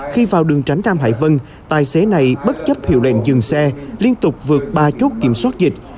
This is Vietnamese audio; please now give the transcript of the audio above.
khi vào đường tránh nam hải vân tài xế này bất chấp hiệu lệnh dừng xe liên tục vượt ba chốt kiểm soát dịch